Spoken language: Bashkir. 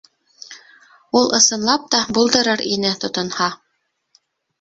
Ул, ысынлап та, булдырыр ине тотонһа.